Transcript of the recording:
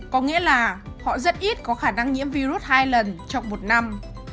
có nghĩa là họ rất ít có khả năng nhiễm virus hai lần trong một năm